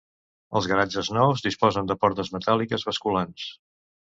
Els garatges nous disposen de portes metàl·liques basculants.